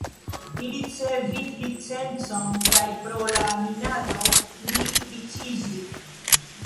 Li ricevis licencon kaj pro la minado li riĉiĝis.